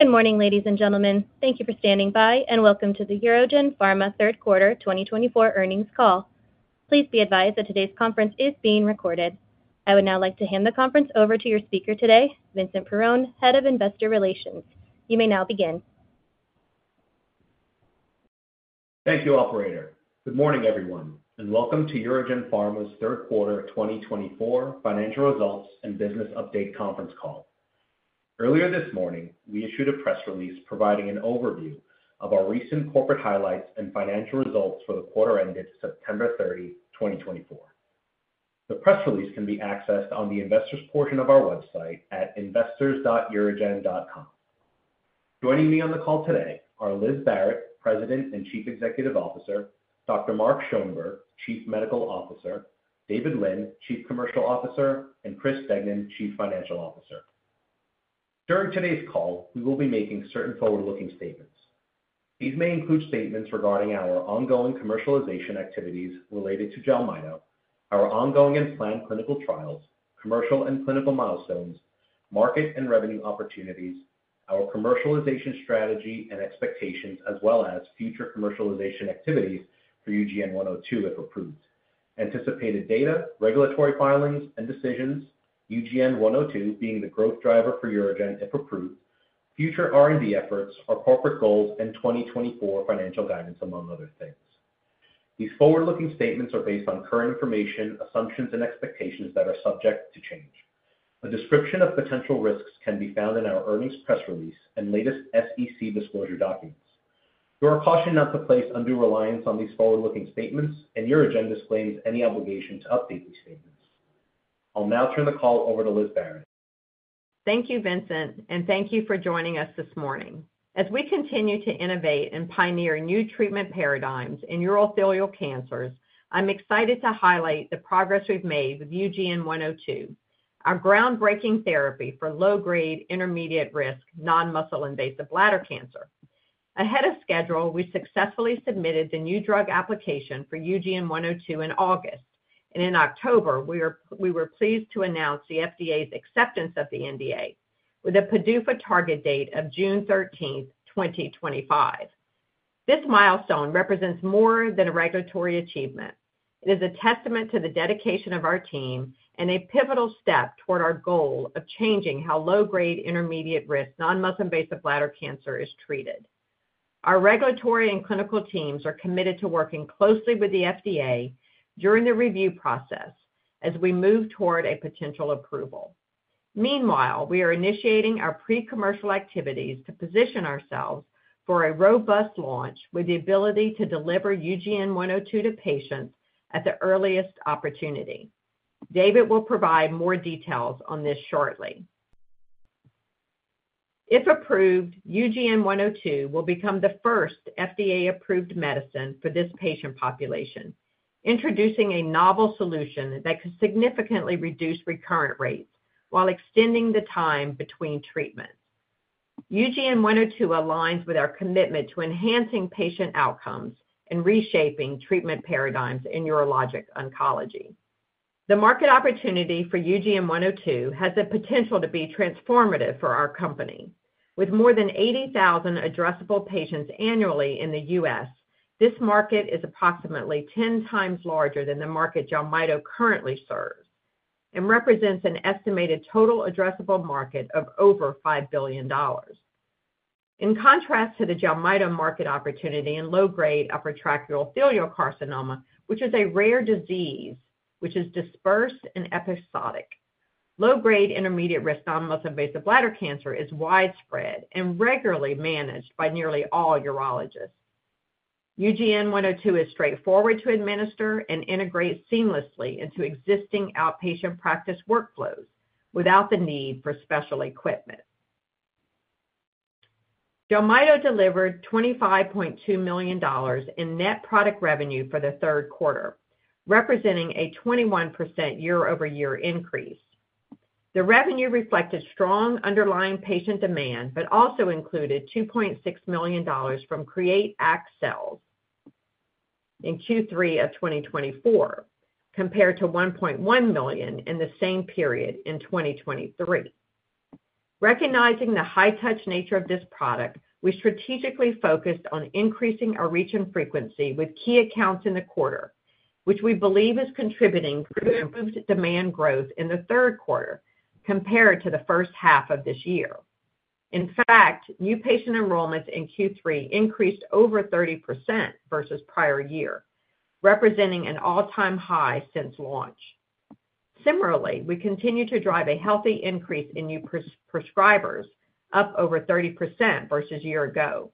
Good morning, ladies and gentlemen. Thank you for standing by, and welcome to the UroGen Pharma Third Quarter 2024 Earnings Call. Please be advised that today's conference is being recorded. I would now like to hand the conference over to your speaker today, Vincent Perrone, Head of Investor Relations. You may now begin. Thank you, Operator. Good morning, everyone, and welcome to UroGen Pharma's Third Quarter 2024 Financial Results and Business Update Conference Call. Earlier this morning, we issued a press release providing an overview of our recent corporate highlights and financial results for the quarter ended September 30, 2024. The press release can be accessed on the Investors portion of our website at investors.urogen.com. Joining me on the call today are Liz Barrett, President and Chief Executive Officer, Dr. Mark Schoenberg, Chief Medical Officer, David Lin, Chief Commercial Officer, and Chris Degnan, Chief Financial Officer. During today's call, we will be making certain forward-looking statements. These may include statements regarding our ongoing commercialization activities related to Jelmyto, our ongoing and planned clinical trials, commercial and clinical milestones, market and revenue opportunities, our commercialization strategy and expectations, as well as future commercialization activities for UGN-102 if approved, anticipated data, regulatory filings and decisions, UGN-102 being the growth driver for UroGen if approved, future R&D efforts, our corporate goals, and 2024 financial guidance, among other things. These forward-looking statements are based on current information, assumptions, and expectations that are subject to change. A description of potential risks can be found in our earnings press release and latest SEC disclosure documents. You are cautioned not to place undue reliance on these forward-looking statements, and UroGen disclaims any obligation to update these statements. I'll now turn the call over to Liz Barrett. Thank you, Vincent, and thank you for joining us this morning. As we continue to innovate and pioneer new treatment paradigms in urothelial cancers, I'm excited to highlight the progress we've made with UGN-102, our groundbreaking therapy for low-grade, intermediate-risk, non-muscle-invasive bladder cancer. Ahead of schedule, we successfully submitted the new drug application for UGN-102 in August, and in October, we were pleased to announce the FDA's acceptance of the NDA, with a PDUFA target date of June 13, 2025. This milestone represents more than a regulatory achievement. It is a testament to the dedication of our team and a pivotal step toward our goal of changing how low-grade, intermediate-risk, non-muscle-invasive bladder cancer is treated. Our regulatory and clinical teams are committed to working closely with the FDA during the review process as we move toward a potential approval. Meanwhile, we are initiating our pre-commercial activities to position ourselves for a robust launch with the ability to deliver UGN-102 to patients at the earliest opportunity. David will provide more details on this shortly. If approved, UGN-102 will become the first FDA-approved medicine for this patient population, introducing a novel solution that could significantly reduce recurrent rates while extending the time between treatments. UGN-102 aligns with our commitment to enhancing patient outcomes and reshaping treatment paradigms in urologic oncology. The market opportunity for UGN-102 has the potential to be transformative for our company. With more than 80,000 addressable patients annually in the U.S., this market is approximately 10 times larger than the market Jelmyto currently serves and represents an estimated total addressable market of over $5 billion. In contrast to the Jelmyto market opportunity in low-grade upper tract urothelial carcinoma, which is a rare disease that is dispersed and episodic, low-grade intermediate-risk non-muscle-invasive bladder cancer is widespread and regularly managed by nearly all urologists. UGN-102 is straightforward to administer and integrates seamlessly into existing outpatient practice workflows without the need for special equipment. Jelmyto delivered $25.2 million in net product revenue for the third quarter, representing a 21% year-over-year increase. The revenue reflected strong underlying patient demand but also included $2.6 million from CREATES Act sales. In Q3 of 2024, compared to $1.1 million in the same period in 2023. Recognizing the high-touch nature of this product, we strategically focused on increasing our reach and frequency with key accounts in the quarter, which we believe is contributing to improved demand growth in the third quarter compared to the first half of this year. In fact, new patient enrollments in Q3 increased over 30% versus the prior year, representing an all-time high since launch. Similarly, we continue to drive a healthy increase in new prescribers, up over 30% versus a year ago.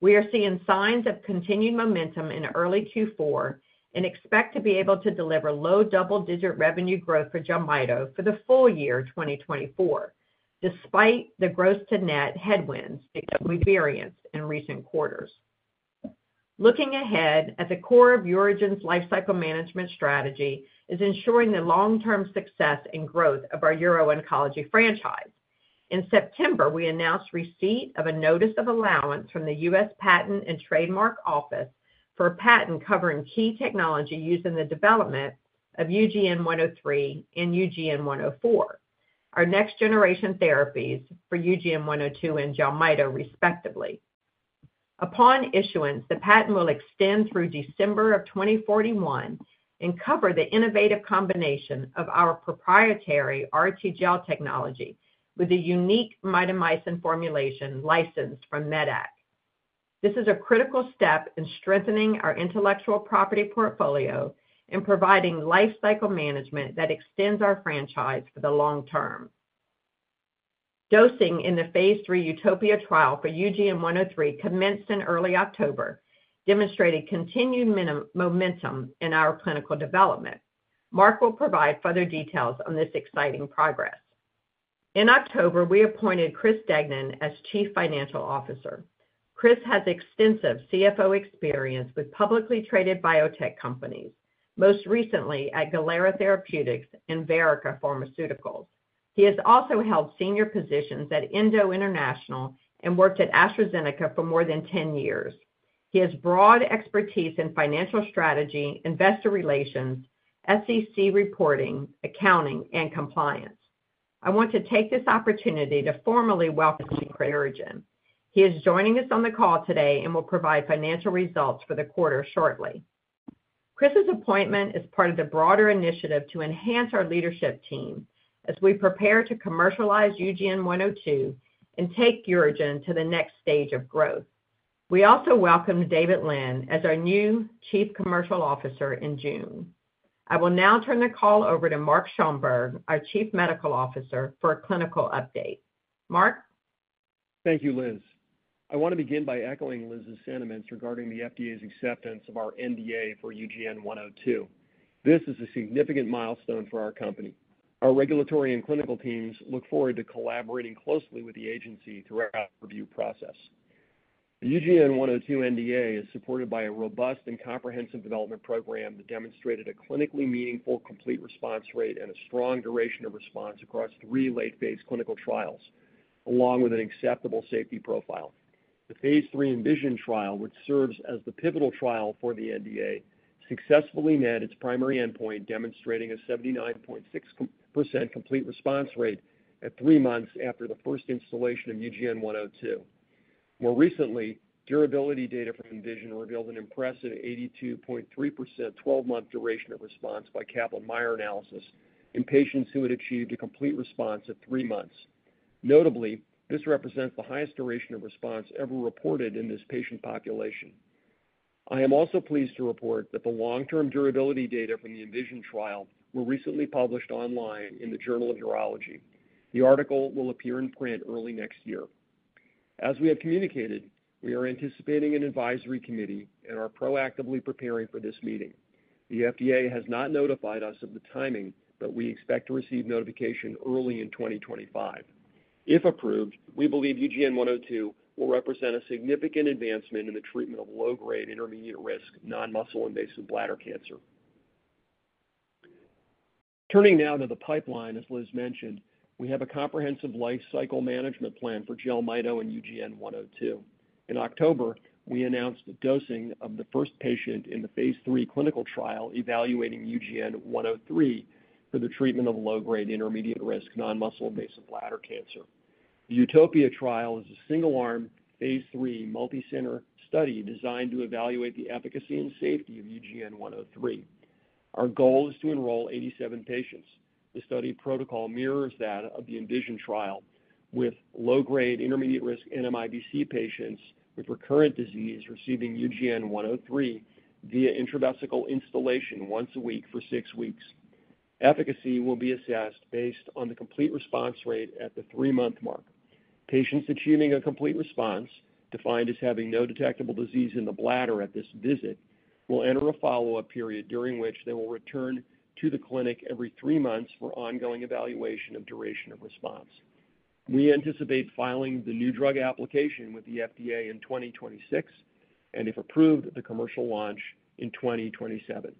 We are seeing signs of continued momentum in early Q4 and expect to be able to deliver low double-digit revenue growth for Jelmyto for the full year 2024, despite the gross-to-net headwinds that we've experienced in recent quarters. Looking ahead, at the core of UroGen's lifecycle management strategy is ensuring the long-term success and growth of our uro-oncology franchise. In September, we announced receipt of a Notice of Allowance from the U.S. Patent and Trademark Office for a patent covering key technology used in the development of UGN-103 and UGN-104, our next-generation therapies for UGN-102 and Jelmyto, respectively. Upon issuance, the patent will extend through December of 2041 and cover the innovative combination of our proprietary RTGel technology with a unique mitomycin formulation licensed from Medac. This is a critical step in strengthening our intellectual property portfolio and providing lifecycle management that extends our franchise for the long term. Dosing in the phase III UTOPIA trial for UGN-103 commenced in early October, demonstrating continued momentum in our clinical development. Mark will provide further details on this exciting progress. In October, we appointed Chris Degnan as Chief Financial Officer. Chris has extensive CFO experience with publicly traded biotech companies, most recently at Galera Therapeutics and Verrica Pharmaceuticals. He has also held senior positions at Endo International and worked at AstraZeneca for more than 10 years. He has broad expertise in financial strategy, investor relations, SEC reporting, accounting, and compliance. I want to take this opportunity to formally welcome Chris to UroGen. He is joining us on the call today and will provide financial results for the quarter shortly. Chris's appointment is part of the broader initiative to enhance our leadership team as we prepare to commercialize UGN-102 and take UroGen to the next stage of growth. We also welcomed David Lin as our new Chief Commercial Officer in June. I will now turn the call over to Mark Schoenberg, our Chief Medical Officer, for a clinical update. Mark? Thank you, Liz. I want to begin by echoing Liz's sentiments regarding the FDA's acceptance of our NDA for UGN-102. This is a significant milestone for our company. Our regulatory and clinical teams look forward to collaborating closely with the agency throughout our review process. The UGN-102 NDA is supported by a robust and comprehensive development program that demonstrated a clinically meaningful complete response rate and a strong duration of response across three late-phase clinical trials, along with an acceptable safety profile. The phase III ENVISION trial, which serves as the pivotal trial for the NDA, successfully met its primary endpoint, demonstrating a 79.6% complete response rate at three months after the first instillation of UGN-102. More recently, durability data from ENVISION revealed an impressive 82.3% 12-month duration of response by Kaplan-Meier analysis in patients who had achieved a complete response at three months. Notably, this represents the highest duration of response ever reported in this patient population. I am also pleased to report that the long-term durability data from the ENVISION trial were recently published online in the Journal of Urology. The article will appear in print early next year. As we have communicated, we are anticipating an advisory committee and are proactively preparing for this meeting. The FDA has not notified us of the timing, but we expect to receive notification early in 2025. If approved, we believe UGN-102 will represent a significant advancement in the treatment of low-grade, intermediate-risk, non-muscle-invasive bladder cancer. Turning now to the pipeline, as Liz mentioned, we have a comprehensive lifecycle management plan for Jelmyto and UGN-102. In October, we announced the dosing of the first patient in the phase III clinical trial evaluating UGN-103 for the treatment of low-grade, intermediate-risk, non-muscle-invasive bladder cancer. The UTOPIA trial is a single-arm, phase III multi-center study designed to evaluate the efficacy and safety of UGN-103. Our goal is to enroll 87 patients. The study protocol mirrors that of the ENVISION trial, with low-grade, intermediate-risk NMIBC patients with recurrent disease receiving UGN-103 via intravesical instillation once a week for six weeks. Efficacy will be assessed based on the complete response rate at the three-month mark. Patients achieving a complete response, defined as having no detectable disease in the bladder at this visit, will enter a follow-up period during which they will return to the clinic every three months for ongoing evaluation of duration of response. We anticipate filing the new drug application with the FDA in 2026 and, if approved, the commercial launch in 2027.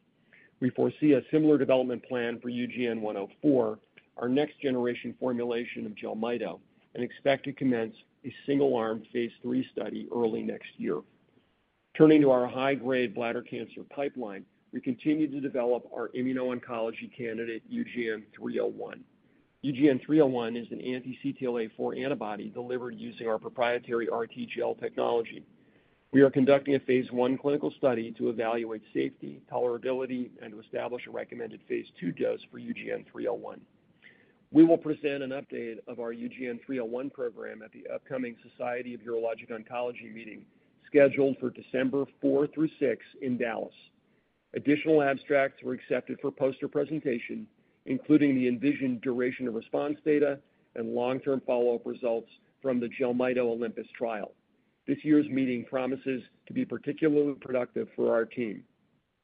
We foresee a similar development plan for UGN-104, our next-generation formulation of Jelmyto, and expect to commence a single-arm, phase III study early next year. Turning to our high-grade bladder cancer pipeline, we continue to develop our immuno-oncology candidate, UGN-301. UGN-301 is an anti-CTLA-4 antibody delivered using our proprietary RTGel technology. We are conducting a phase I clinical study to evaluate safety, tolerability, and to establish a recommended phase II dose for UGN-301. We will present an update of our UGN-301 program at the upcoming Society of Urologic Oncology meeting scheduled for December 4 through 6 in Dallas. Additional abstracts were accepted for poster presentation, including the ENVISION duration of response data and long-term follow-up results from the Jelmyto OLYMPUS trial. This year's meeting promises to be particularly productive for our team.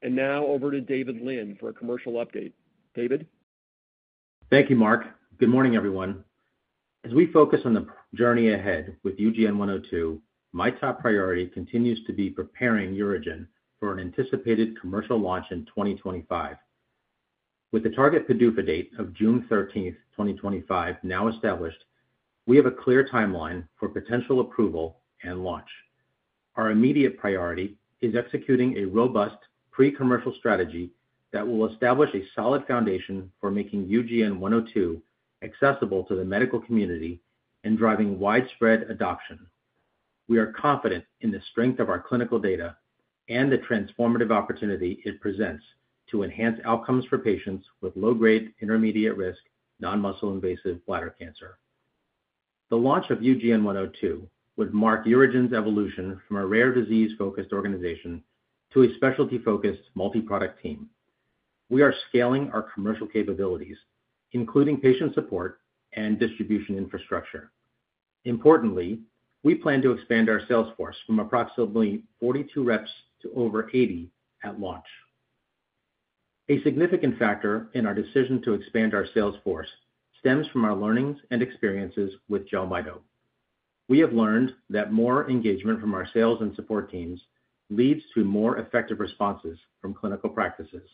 And now, over to David Lin for a commercial update. David? Thank you, Mark. Good morning, everyone. As we focus on the journey ahead with UGN-102, my top priority continues to be preparing UroGen for an anticipated commercial launch in 2025. With the target PDUFA date of June 13, 2025, now established, we have a clear timeline for potential approval and launch. Our immediate priority is executing a robust pre-commercial strategy that will establish a solid foundation for making UGN-102 accessible to the medical community and driving widespread adoption. We are confident in the strength of our clinical data and the transformative opportunity it presents to enhance outcomes for patients with low-grade, intermediate-risk, non-muscle-invasive bladder cancer. The launch of UGN-102 would mark UroGen's evolution from a rare disease-focused organization to a specialty-focused multi-product team. We are scaling our commercial capabilities, including patient support and distribution infrastructure. Importantly, we plan to expand our sales force from approximately 42 reps to over 80 at launch. A significant factor in our decision to expand our sales force stems from our learnings and experiences with Jelmyto. We have learned that more engagement from our sales and support teams leads to more effective responses from clinical practices.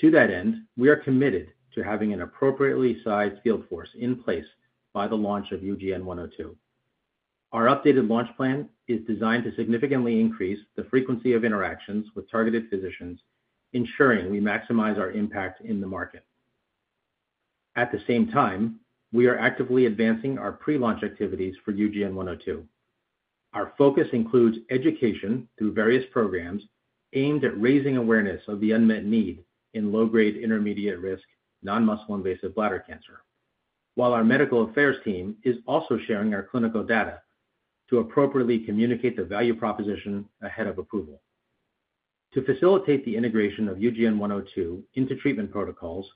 To that end, we are committed to having an appropriately sized field force in place by the launch of UGN-102. Our updated launch plan is designed to significantly increase the frequency of interactions with targeted physicians, ensuring we maximize our impact in the market. At the same time, we are actively advancing our pre-launch activities for UGN-102. Our focus includes education through various programs aimed at raising awareness of the unmet need in low-grade, intermediate-risk, non-muscle-invasive bladder cancer, while our medical affairs team is also sharing our clinical data to appropriately communicate the value proposition ahead of approval. To facilitate the integration of UGN-102 into treatment protocols,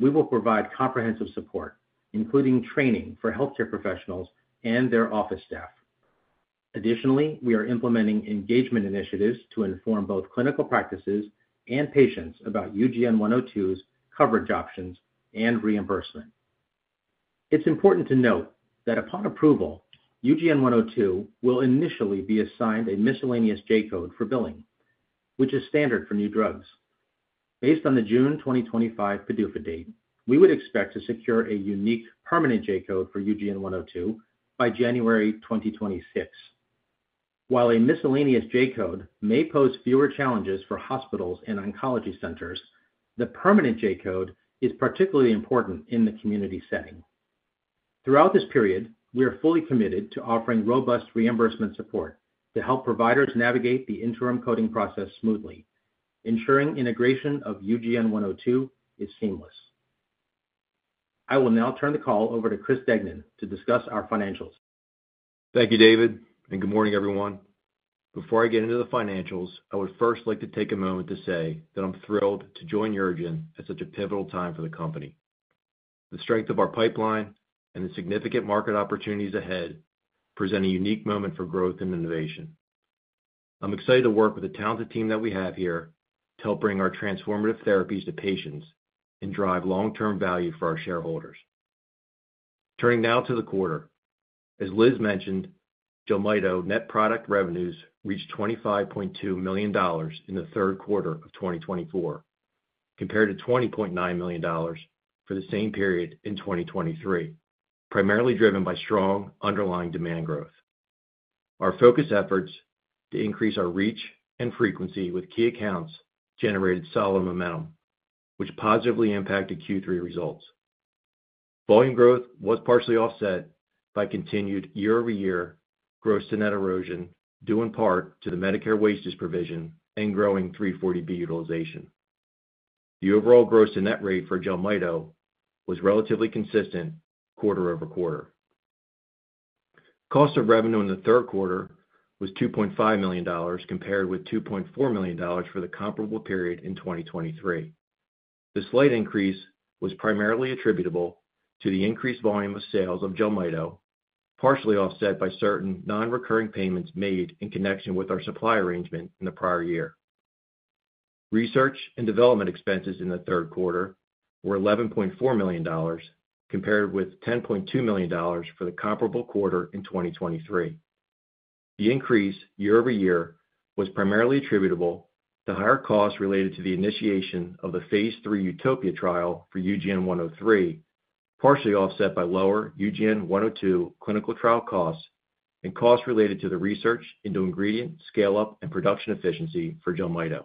we will provide comprehensive support, including training for healthcare professionals and their office staff. Additionally, we are implementing engagement initiatives to inform both clinical practices and patients about UGN-102's coverage options and reimbursement. It's important to note that upon approval, UGN-102 will initially be assigned a miscellaneous J Code for billing, which is standard for new drugs. Based on the June 2025 PDUFA date, we would expect to secure a unique permanent J Code for UGN-102 by January 2026. While a miscellaneous J Code may pose fewer challenges for hospitals and oncology centers, the permanent J Code is particularly important in the community setting. Throughout this period, we are fully committed to offering robust reimbursement support to help providers navigate the interim coding process smoothly, ensuring integration of UGN-102 is seamless. I will now turn the call over to Chris Degnan to discuss our financials. Thank you, David, and good morning, everyone. Before I get into the financials, I would first like to take a moment to say that I'm thrilled to join UroGen at such a pivotal time for the company. The strength of our pipeline and the significant market opportunities ahead present a unique moment for growth and innovation. I'm excited to work with the talented team that we have here to help bring our transformative therapies to patients and drive long-term value for our shareholders. Turning now to the quarter, as Liz mentioned, Jelmyto net product revenues reached $25.2 million in the third quarter of 2024, compared to $20.9 million for the same period in 2023, primarily driven by strong underlying demand growth. Our focus efforts to increase our reach and frequency with key accounts generated solid momentum, which positively impacted Q3 results. Volume growth was partially offset by continued year-over-year gross-to-net erosion, due in part to the Medicare wastage provision and growing 340B utilization. The overall gross-to-net rate for Jelmyto was relatively consistent quarter over quarter. Cost of revenue in the third quarter was $2.5 million, compared with $2.4 million for the comparable period in 2023. This slight increase was primarily attributable to the increased volume of sales of Jelmyto, partially offset by certain non-recurring payments made in connection with our supply arrangement in the prior year. Research and development expenses in the third quarter were $11.4 million, compared with $10.2 million for the comparable quarter in 2023. The increase year-over-year was primarily attributable to higher costs related to the initiation of the phase III UTOPIA trial for UGN-103, partially offset by lower UGN-102 clinical trial costs and costs related to the research into ingredient scale-up and production efficiency for Jelmyto.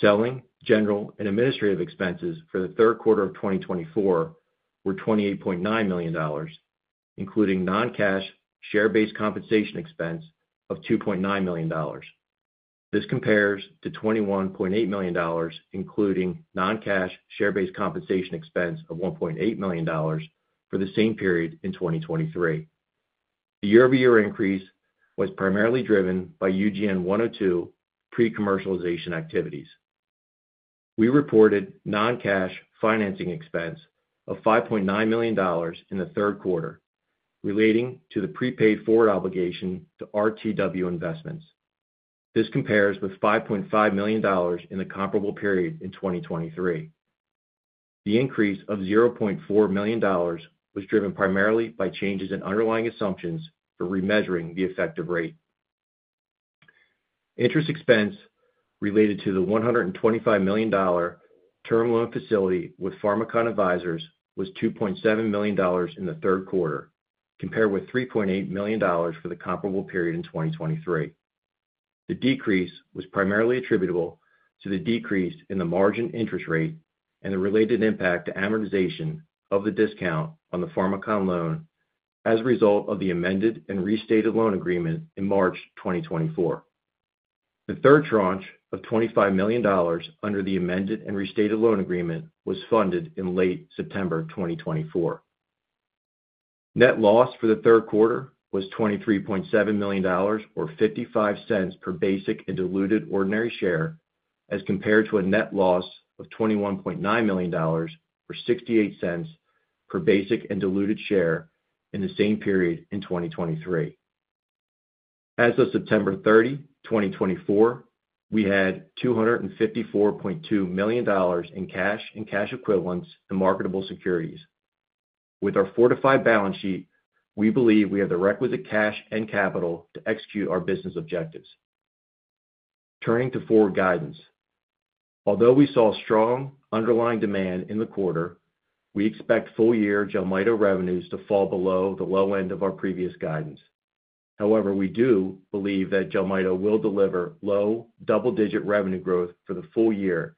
Selling, general, and administrative expenses for the third quarter of 2024 were $28.9 million, including non-cash share-based compensation expense of $2.9 million. This compares to $21.8 million, including non-cash share-based compensation expense of $1.8 million for the same period in 2023. The year-over-year increase was primarily driven by UGN-102 pre-commercialization activities. We reported non-cash financing expense of $5.9 million in the third quarter, relating to the prepaid forward obligation to RTW Investments. This compares with $5.5 million in the comparable period in 2023. The increase of $0.4 million was driven primarily by changes in underlying assumptions for remeasuring the effective rate. Interest expense related to the $125 million term loan facility with Pharmakon Advisors was $2.7 million in the third quarter, compared with $3.8 million for the comparable period in 2023. The decrease was primarily attributable to the decrease in the margin interest rate and the related impact to amortization of the discount on the Pharmakon loan as a result of the amended and restated loan agreement in March 2024. The third tranche of $25 million under the amended and restated loan agreement was funded in late September 2024. Net loss for the third quarter was $23.7 million, or $0.55 per basic and diluted ordinary share, as compared to a net loss of $21.9 million, or $0.68 per basic and diluted share in the same period in 2023. As of September 30, 2024, we had $254.2 million in cash and cash equivalents and marketable securities. With our fortified balance sheet, we believe we have the requisite cash and capital to execute our business objectives. Turning to forward guidance, although we saw strong underlying demand in the quarter, we expect full-year Jelmyto revenues to fall below the low end of our previous guidance. However, we do believe that Jelmyto will deliver low double-digit revenue growth for the full year,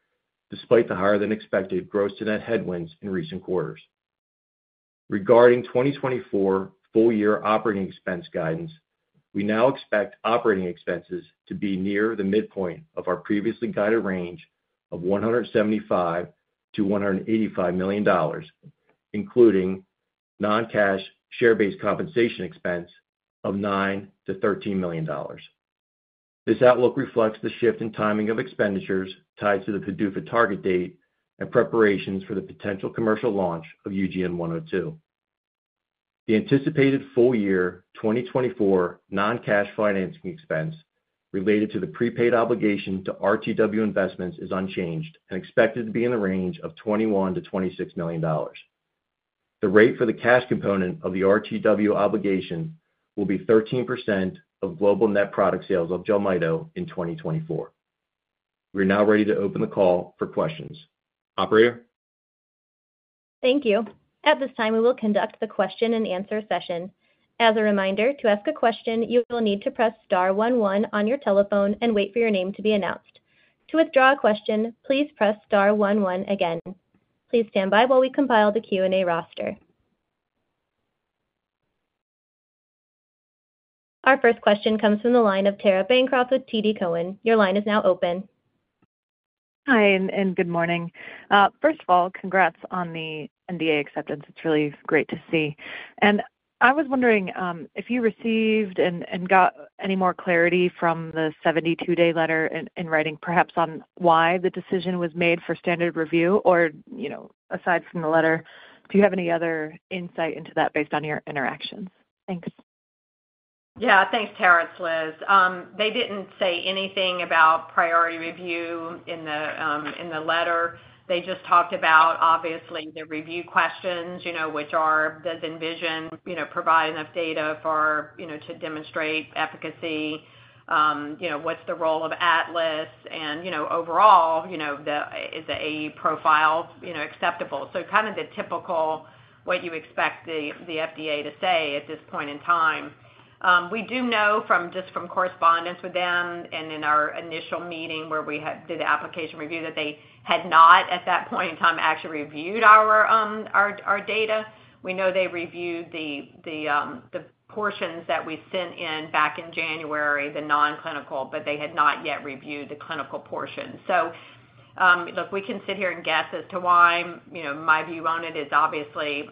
despite the higher-than-expected gross-to-net headwinds in recent quarters. Regarding 2024 full-year operating expense guidance, we now expect operating expenses to be near the midpoint of our previously guided range of $175 million-$185 million, including non-cash share-based compensation expense of $9 million-$13 million. This outlook reflects the shift in timing of expenditures tied to the PDUFA target date and preparations for the potential commercial launch of UGN-102. The anticipated full-year 2024 non-cash financing expense related to the prepaid obligation to RTW Investments is unchanged and expected to be in the range of $21 million-$26 million. The rate for the cash component of the RTW obligation will be 13% of global net product sales of Jelmyto in 2024. We are now ready to open the call for questions. Operator? Thank you. At this time, we will conduct the question-and-answer session. As a reminder, to ask a question, you will need to press star one one on your telephone and wait for your name to be announced. To withdraw a question, please press star one one again. Please stand by while we compile the Q&A roster. Our first question comes from the line of Tara Bancroft with TD Cowen. Your line is now open. Hi, and good morning. First of all, congrats on the NDA acceptance. It's really great to see, and I was wondering if you received and got any more clarity from the 72-day letter in writing, perhaps on why the decision was made for standard review, or aside from the letter, do you have any other insight into that based on your interactions? Thanks. Yeah, thanks, Tara it's Liz. They didn't say anything about priority review in the letter. They just talked about, obviously, the review questions, which are: Does ENVISION provide enough data to demonstrate efficacy? What's the role of ATLAS? And overall, is the AE profile acceptable? So kind of the typical what you expect the FDA to say at this point in time. We do know from just from correspondence with them and in our initial meeting where we did the application review that they had not, at that point in time, actually reviewed our data. We know they reviewed the portions that we sent in back in January, the non-clinical, but they had not yet reviewed the clinical portion. So look, we can sit here and guess as to why. My view on it is obviously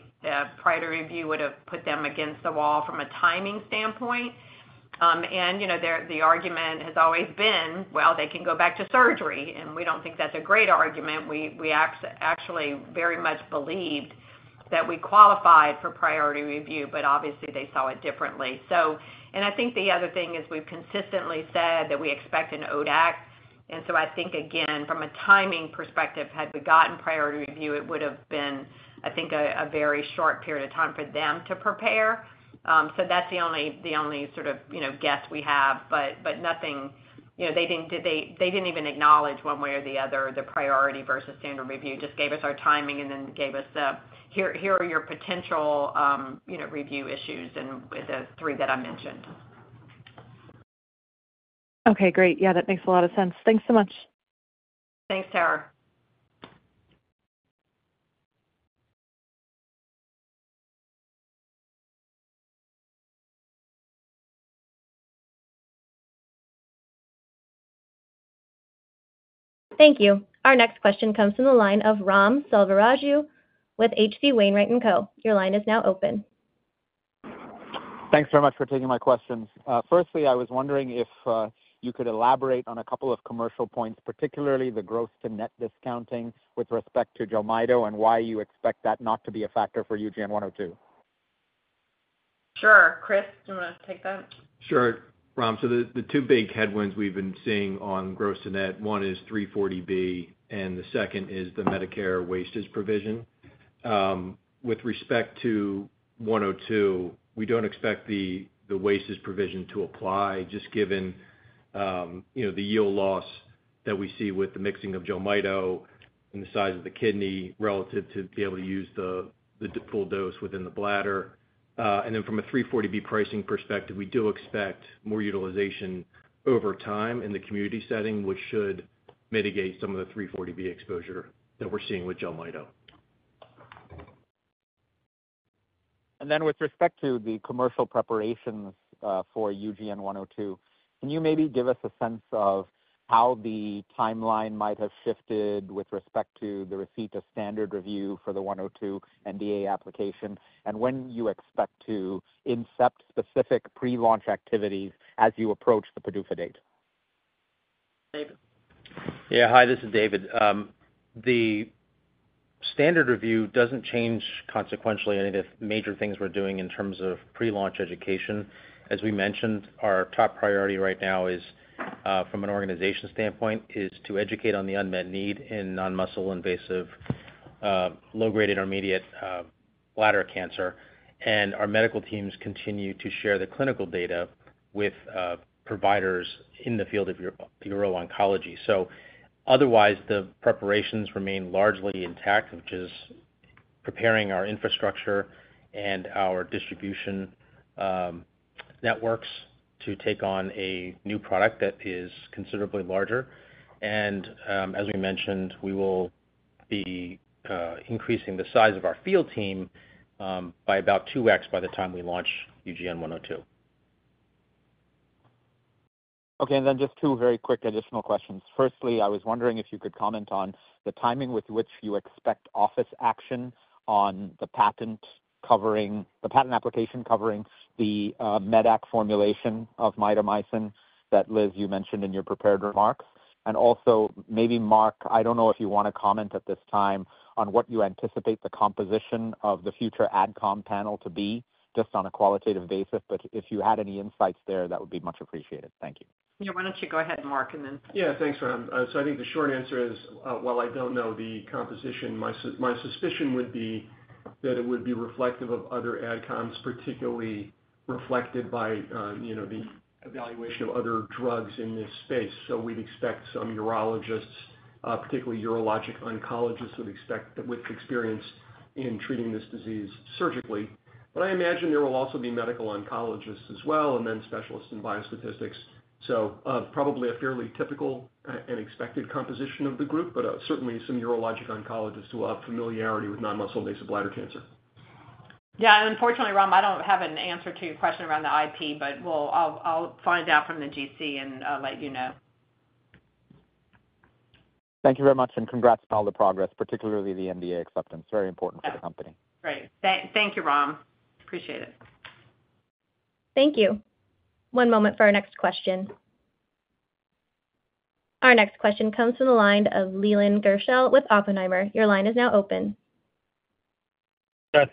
priority review would have put them against the wall from a timing standpoint. The argument has always been, well, they can go back to surgery. We don't think that's a great argument. We actually very much believed that we qualified for priority review, but obviously, they saw it differently. I think the other thing is we've consistently said that we expect an ODAC. So I think, again, from a timing perspective, had we gotten priority review, it would have been, I think, a very short period of time for them to prepare. That's the only sort of guess we have. But nothing. They didn't even acknowledge one way or the other the priority versus standard review, just gave us our timing and then gave us, "Here are your potential review issues," and the three that I mentioned. Okay, great. Yeah, that makes a lot of sense. Thanks so much. Thanks, Tara. Thank you. Our next question comes from the line of Ram Selvaraju with H.C. Wainwright & Co.. Your line is now open. Thanks very much for taking my questions. Firstly, I was wondering if you could elaborate on a couple of commercial points, particularly the gross-to-net discounting with respect to Jelmyto and why you expect that not to be a factor for UGN-102? Sure. Chris, do you want to take that? Sure. Ram, so the two big headwinds we've been seeing on gross-to-net, one is 340B, and the second is the Medicare wastage provision. With respect to 102, we don't expect the wastage provision to apply, just given the yield loss that we see with the mixing of Jelmyto and the size of the kidney relative to be able to use the full dose within the bladder. And then from a 340B pricing perspective, we do expect more utilization over time in the community setting, which should mitigate some of the 340B exposure that we're seeing with Jelmyto. And then with respect to the commercial preparations for UGN-102, can you maybe give us a sense of how the timeline might have shifted with respect to the receipt of standard review for the 102 NDA application, and when you expect to incept specific pre-launch activities as you approach the PDUFA date? Yeah, hi, this is David. The standard review doesn't change consequentially any of the major things we're doing in terms of pre-launch education. As we mentioned, our top priority right now, from an organization standpoint, is to educate on the unmet need in non-muscle-invasive low-grade and intermediate bladder cancer, and our medical teams continue to share the clinical data with providers in the field of urologic oncology. So otherwise, the preparations remain largely intact, which is preparing our infrastructure and our distribution networks to take on a new product that is considerably larger. And as we mentioned, we will be increasing the size of our field team by about 2X by the time we launch UGN-102. Okay. And then just two very quick additional questions. Firstly, I was wondering if you could comment on the timing with which you expect office action on the patent application covering the Medac formulation of mitomycin that, Liz, you mentioned in your prepared remarks. And also maybe Mark, I don't know if you want to comment at this time on what you anticipate the composition of the future AdCom panel to be, just on a qualitative basis. But if you had any insights there, that would be much appreciated. Thank you. Yeah, why don't you go ahead, Mark, and then. Yeah, thanks, Ram. So I think the short answer is, while I don't know the composition, my suspicion would be that it would be reflective of other AdComs, particularly reflected by the evaluation of other drugs in this space. So we'd expect some urologists, particularly urologic oncologists, would expect with experience in treating this disease surgically. But I imagine there will also be medical oncologists as well, and then specialists in biostatistics. So probably a fairly typical and expected composition of the group, but certainly some urologic oncologists who have familiarity with non-muscle-invasive bladder cancer. Yeah. And unfortunately, Ram, I don't have an answer to your question around the IP, but I'll find out from the GC and let you know. Thank you very much. And congrats on all the progress, particularly the NDA acceptance. Very important for the company. Great. Thank you, Ram. Appreciate it. Thank you. One moment for our next question. Our next question comes from the line of Leland Gershell with Oppenheimer. Your line is now open.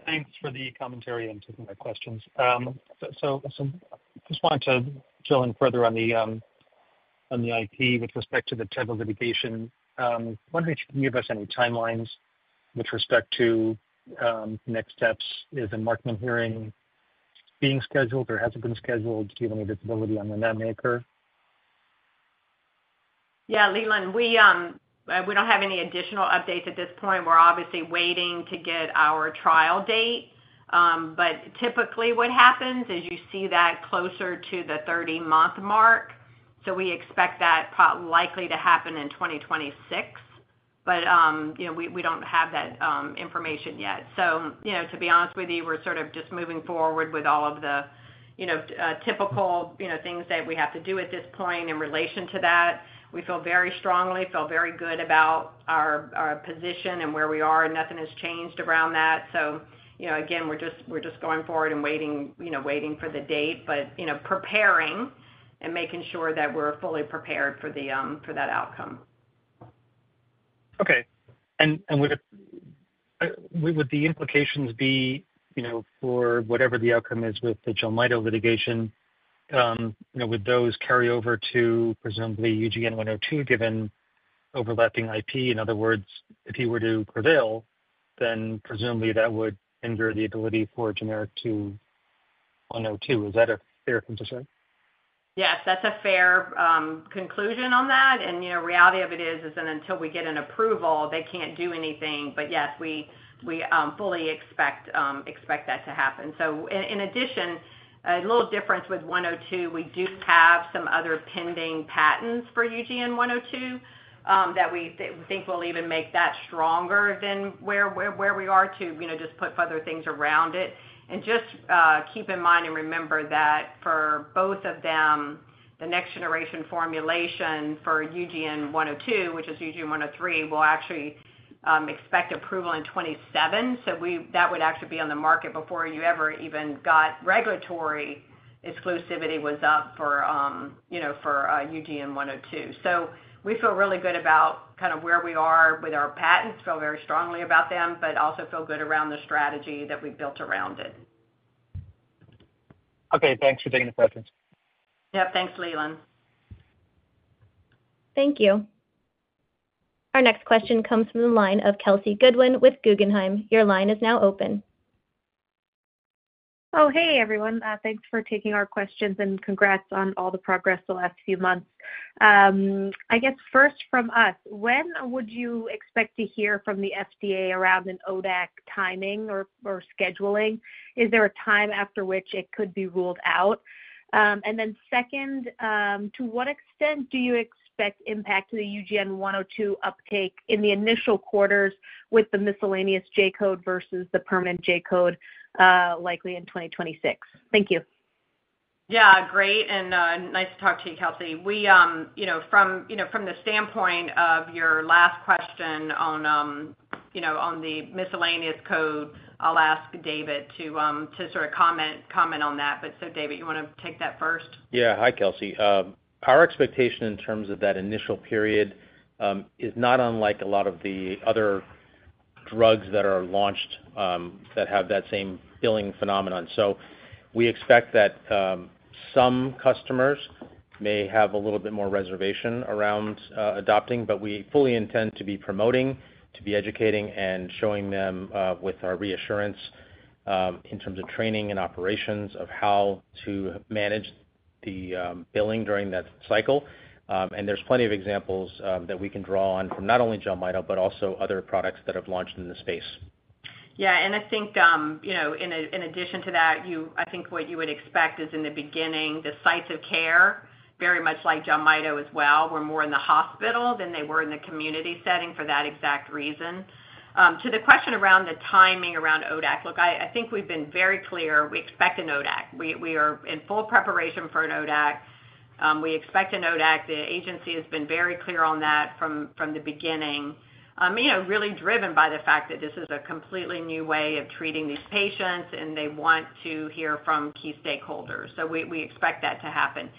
Thanks for the commentary and taking my questions. So just wanted to fill in further on the IP with respect to the type of litigation. Wondering if you can give us any timelines with respect to next steps? Is the Markman hearing being scheduled or has it been scheduled? Do you have any visibility on the ANDA? Yeah, Leland, we don't have any additional updates at this point. We're obviously waiting to get our trial date. But typically, what happens is you see that closer to the 30-month mark. So we expect that likely to happen in 2026. But we don't have that information yet. So to be honest with you, we're sort of just moving forward with all of the typical things that we have to do at this point in relation to that. We feel very strongly, feel very good about our position and where we are. Nothing has changed around that. So again, we're just going forward and waiting for the date, but preparing and making sure that we're fully prepared for that outcome. Okay. And would the implications be for whatever the outcome is with the Jelmyto litigation, would those carry over to presumably UGN-102 given overlapping IP? In other words, if you were to prevail, then presumably that would hinder the ability for generic to 102. Is that a fair conclusion? Yes, that's a fair conclusion on that. And reality of it is that until we get an approval, they can't do anything. But yes, we fully expect that to happen. So in addition, a little difference with 102, we do have some other pending patents for UGN-102 that we think will even make that stronger than where we are to just put other things around it. And just keep in mind and remember that for both of them, the next generation formulation for UGN-102, which is UGN-103, will actually expect approval in 2027. So that would actually be on the market before you ever even got regulatory exclusivity was up for UGN-102. So we feel really good about kind of where we are with our patents, feel very strongly about them, but also feel good around the strategy that we've built around it. Okay. Thanks for taking the questions. Yep. Thanks, Leland. Thank you. Our next question comes from the line of Kelsey Goodwin with Guggenheim. Your line is now open. Oh, hey, everyone. Thanks for taking our questions and congrats on all the progress the last few months. I guess first from us, when would you expect to hear from the FDA around an ODAC timing or scheduling? Is there a time after which it could be ruled out? And then second, to what extent do you expect impact to the UGN-102 uptake in the initial quarters with the miscellaneous J Code versus the permanent J Code likely in 2026? Thank you. Yeah, great, and nice to talk to you, Kelsey. From the standpoint of your last question on the miscellaneous code, I'll ask David to sort of comment on that, but so David, you want to take that first? Yeah. Hi, Kelsey. Our expectation in terms of that initial period is not unlike a lot of the other drugs that are launched that have that same billing phenomenon. So we expect that some customers may have a little bit more reservation around adopting, but we fully intend to be promoting, to be educating, and showing them with our reassurance in terms of training and operations of how to manage the billing during that cycle. And there's plenty of examples that we can draw on from not only Jelmyto, but also other products that have launched in the space. Yeah. And I think in addition to that, I think what you would expect is in the beginning, the sites of care, very much like Jelmyto as well, were more in the hospital than they were in the community setting for that exact reason. To the question around the timing around ODAC, look, I think we've been very clear. We expect an ODAC. We are in full preparation for an ODAC. We expect an ODAC. The agency has been very clear on that from the beginning, really driven by the fact that this is a completely new way of treating these patients, and they want to hear from key stakeholders. So we expect that to happen.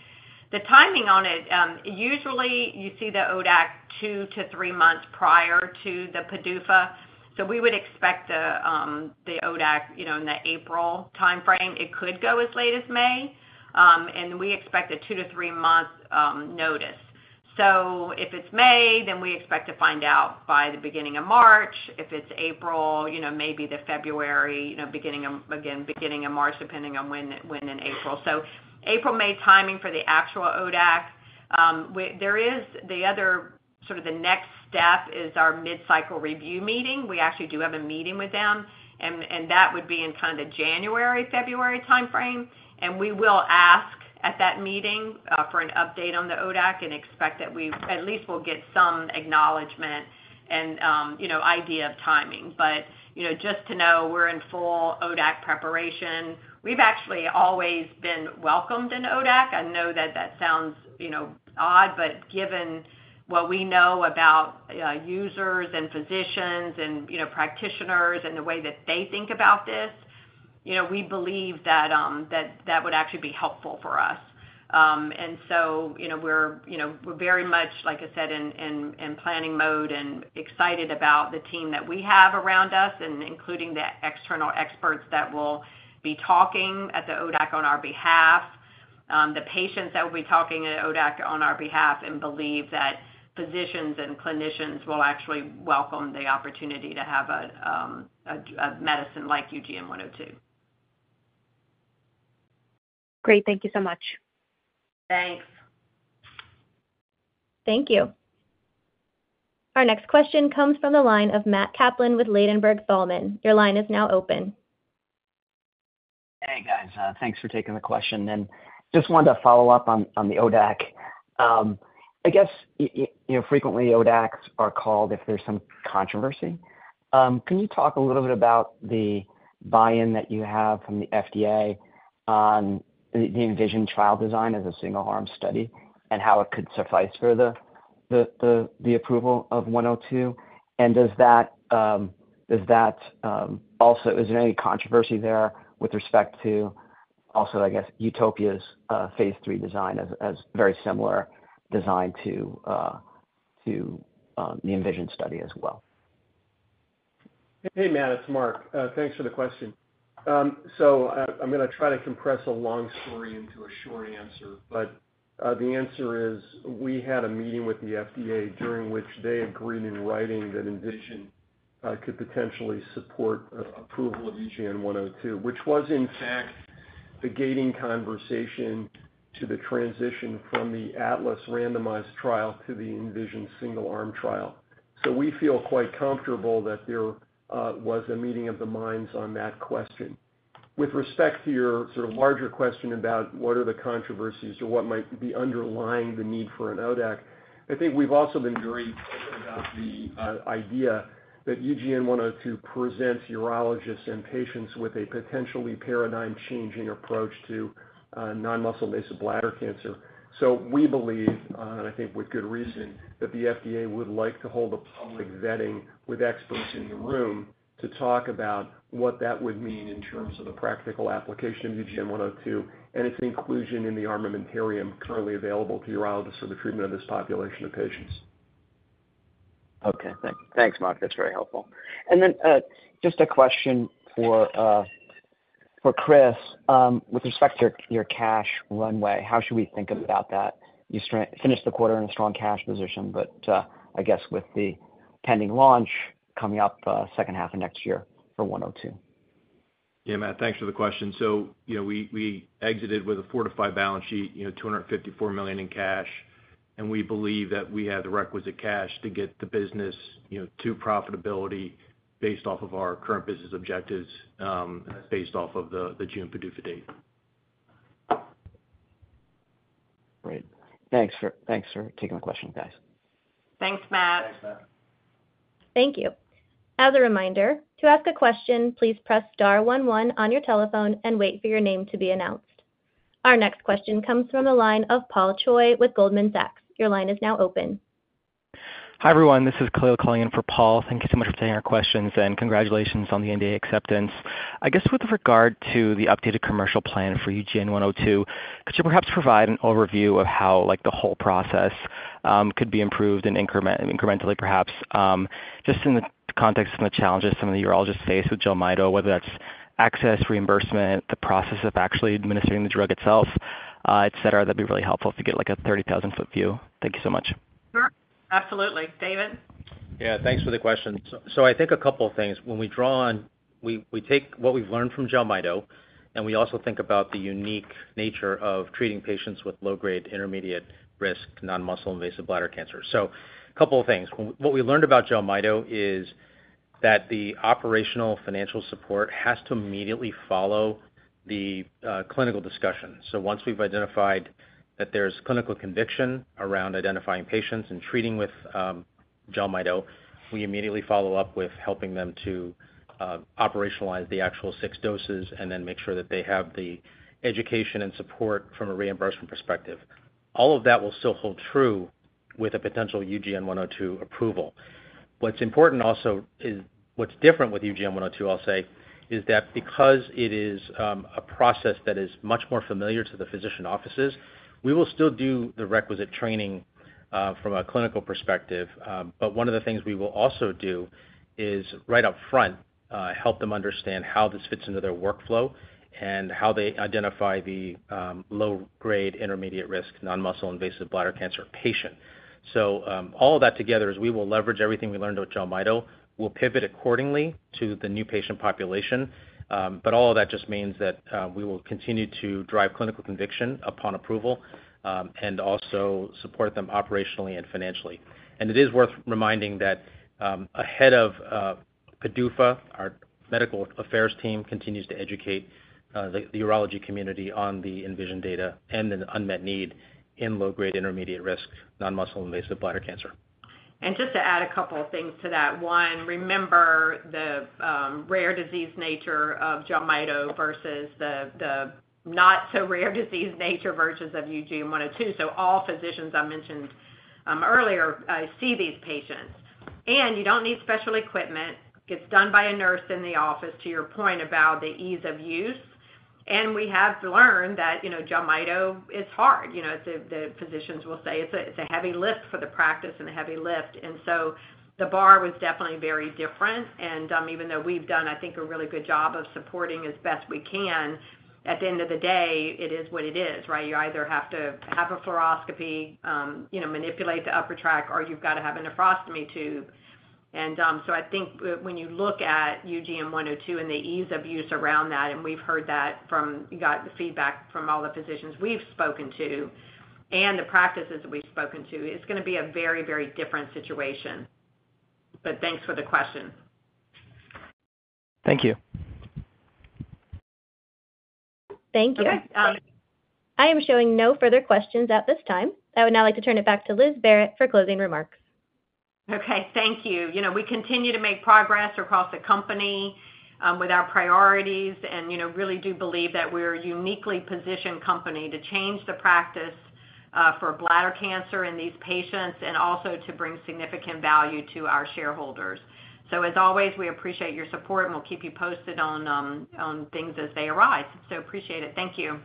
The timing on it, usually you see the ODAC two to three months prior to the PDUFA. So we would expect the ODAC in the April timeframe. It could go as late as May. We expect a two to three-month notice. If it's May, then we expect to find out by the beginning of March. If it's April, maybe the February, beginning of March, depending on when in April. April, May timing for the actual ODAC. The other sort of the next step is our mid-cycle review meeting. We actually do have a meeting with them. That would be in kind of the January, February timeframe. We will ask at that meeting for an update on the ODAC and expect that we at least will get some acknowledgment and idea of timing. Just to know, we're in full ODAC preparation. We've actually always been welcomed in ODAC. I know that that sounds odd, but given what we know about users and physicians and practitioners and the way that they think about this, we believe that that would actually be helpful for us, and so we're very much, like I said, in planning mode and excited about the team that we have around us, including the external experts that will be talking at the ODAC on our behalf, the patients that will be talking at ODAC on our behalf, and believe that physicians and clinicians will actually welcome the opportunity to have a medicine like UGN-102. Great. Thank you so much. Thanks. Thank you. Our next question comes from the line of Matt Kaplan with Ladenburg Thalmann. Your line is now open. Hey, guys. Thanks for taking the question. And just wanted to follow up on the ODAC. I guess frequently ODACs are called if there's some controversy. Can you talk a little bit about the buy-in that you have from the FDA on the ENVISION trial design as a single-arm study and how it could suffice for the approval of 102? And does that also, is there any controversy there with respect to also, I guess, UTOPIA's phase III design as a very similar design to the ENVISION study as well? Hey, Matt. It's Mark. Thanks for the question. So I'm going to try to compress a long story into a short answer. But the answer is we had a meeting with the FDA during which they agreed in writing that ENVISION could potentially support approval of UGN-102, which was, in fact, the gating conversation to the transition from the ATLAS randomized trial to the ENVISION single-arm trial. So we feel quite comfortable that there was a meeting of the minds on that question. With respect to your sort of larger question about what are the controversies or what might be underlying the need for an ODAC, I think we've also been very open about the idea that UGN-102 presents urologists and patients with a potentially paradigm-changing approach to non-muscle-invasive bladder cancer. So we believe, and I think with good reason, that the FDA would like to hold a public vetting with experts in the room to talk about what that would mean in terms of the practical application of UGN-102 and its inclusion in the armamentarium currently available to urologists for the treatment of this population of patients. Okay. Thanks, Mark. That's very helpful. And then just a question for Chris. With respect to your cash runway, how should we think about that? You finished the quarter in a strong cash position, but I guess with the pending launch coming up second half of next year for 102. Yeah, Matt. Thanks for the question. So we exited with a fortified balance sheet, $254 million in cash. And we believe that we have the requisite cash to get the business to profitability based off of our current business objectives and based off of the June PDUFA date. Great. Thanks for taking the question, guys. Thanks, Matt. Thanks, Matt. Thank you. As a reminder, to ask a question, please press star one one on your telephone and wait for your name to be announced. Our next question comes from the line of Paul Choi with Goldman Sachs. Your line is now open. Hi everyone. This is Khalil calling in for Paul. Thank you so much for taking our questions and congratulations on the NDA acceptance. I guess with regard to the updated commercial plan for UGN-102, could you perhaps provide an overview of how the whole process could be improved and incrementally, perhaps, just in the context of some of the challenges some of the urologists face with Jelmyto, whether that's access, reimbursement, the process of actually administering the drug itself, etc.? That'd be really helpful to get a 30,000-foot view. Thank you so much. Sure. Absolutely. David? Yeah. Thanks for the question. So I think a couple of things. When we draw on, we take what we've learned from Jelmyto, and we also think about the unique nature of treating patients with low-grade intermediate-risk non-muscle-invasive bladder cancer. So a couple of things. What we learned about Jelmyto is that the operational financial support has to immediately follow the clinical discussion. So once we've identified that there's clinical conviction around identifying patients and treating with Jelmyto, we immediately follow up with helping them to operationalize the actual six doses and then make sure that they have the education and support from a reimbursement perspective. All of that will still hold true with a potential UGN-102 approval. What's important also is what's different with UGN-102, I'll say, is that because it is a process that is much more familiar to the physician offices, we will still do the requisite training from a clinical perspective. But one of the things we will also do is right up front help them understand how this fits into their workflow and how they identify the low-grade intermediate-risk non-muscle-invasive bladder cancer patient. So all of that together is we will leverage everything we learned with Jelmyto. We'll pivot accordingly to the new patient population. But all of that just means that we will continue to drive clinical conviction upon approval and also support them operationally and financially. And it is worth reminding that ahead of PDUFA, our medical affairs team continues to educate the urology community on the ENVISION data and the unmet need in low-grade intermediate-risk non-muscle-invasive bladder cancer. Just to add a couple of things to that. One, remember the rare disease nature of Jelmyto versus the not-so-rare disease nature of UGN-102. All physicians I mentioned earlier see these patients. You don't need special equipment. It's done by a nurse in the office, to your point about the ease of use. We have learned that Jelmyto is hard. The physicians will say it's a heavy lift for the practice and a heavy lift. The bar was definitely very different. Even though we've done, I think, a really good job of supporting as best we can, at the end of the day, it is what it is, right? You either have to have a fluoroscopy, manipulate the upper tract, or you've got to have a nephrostomy tube. I think when you look at UGN-102 and the ease of use around that, and we've heard that from the feedback from all the physicians we've spoken to and the practices that we've spoken to, it's going to be a very, very different situation. Thanks for the question. Thank you. Thank you. I am showing no further questions at this time. I would now like to turn it back to Liz Barrett for closing remarks. Okay. Thank you. We continue to make progress across the company with our priorities and really do believe that we're a uniquely positioned company to change the practice for bladder cancer in these patients and also to bring significant value to our shareholders. So as always, we appreciate your support and we'll keep you posted on things as they arise. So appreciate it. Thank you.